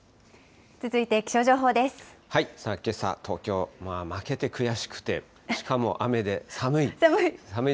さあ、けさ、東京、負けて悔しくて、しかも雨で寒い。